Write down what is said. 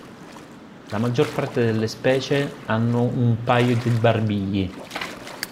La maggior parte delle specie hanno un paio di barbigli.